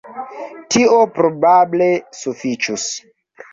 Tio probable sufiĉus.